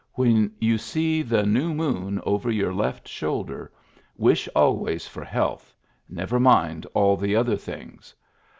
When you see the new moon over your left shoulder, wish always for health; never mind all the other things.